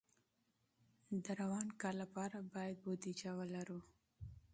د روان کال لپاره باید بودیجه ولرو.